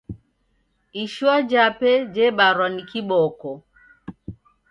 Ishua jape jebarwa ni kiboko.